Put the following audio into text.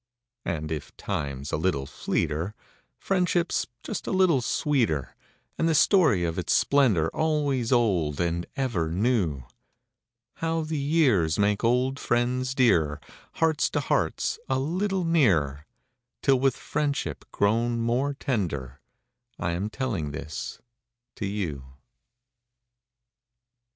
y\AJD if time's a little / V fleeter, friendship s just a little sxx>eeter, And the storp o" its splendor AlvOaps old and eVer neu); Hovc> the pears make old friends dearet~, Hearts to hearts a little nearer Till voith friendship pro>xm more tender I am tellina this to ou.